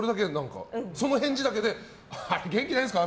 その返事だけで元気ないんすか？